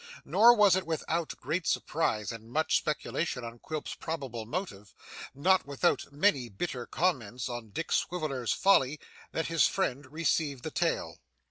Nor was it without great surprise and much speculation on Quilp's probable motives, nor without many bitter comments on Dick Swiveller's folly, that his friend received the tale.